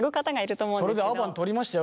それでアバン撮りましたよ